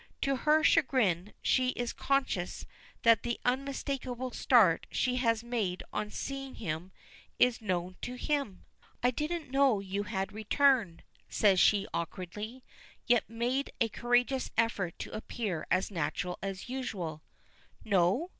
To her chagrin, she is conscious that the unmistakable start she had made on seeing him is known to him. "I didn't know you had returned," says she awkwardly, yet made a courageous effort to appear as natural as usual. "No?